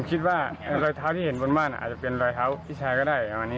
คิดว่ารอยเท้าที่เห็นบนบ้านอาจจะเป็นรอยเท้าพี่ชายก็ได้ประมาณนี้